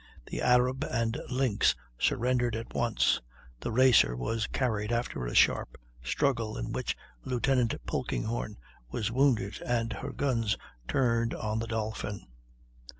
The Arab and Lynx surrendered at once; the Racer was carried after a sharp struggle in which Lieutenant Polkinghorne was wounded, and her guns turned on the Dolphin.